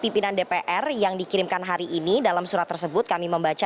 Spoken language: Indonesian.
pimpinan dpr yang dikirimkan hari ini dalam surat tersebut kami membaca